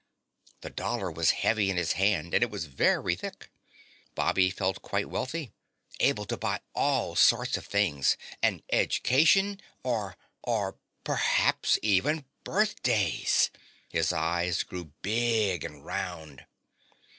The dollar was heavy in his hand and it was very thick. Bobby felt quite wealthy, able to buy all sorts of things, an edge cation or ... or perhaps even birthdays! His eyes grew big and round.